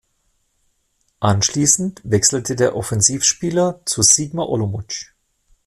Anschließend wechselte der Offensivspieler zu Sigma Olomouc.